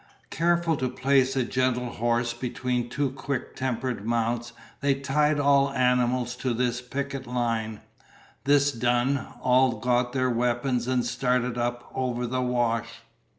Careful to place a gentle horse between two quick tempered mounts, they tied all animals to this picket line. This done, all got their weapons and started up over the wash.